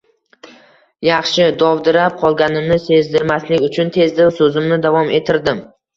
Yaxshi… – dovdirab qolganimni sezdirmaslik uchun tezda soʻzimni davom ettirdim.